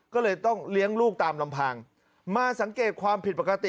ก็เลยต้องเลี้ยงลูกตามลำพังมาสังเกตความผิดปกติ